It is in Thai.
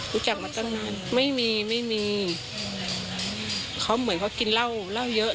รู้จักมาตั้งนานไม่มีไม่มีเขาเหมือนเขากินเหล้าเหล้าเยอะ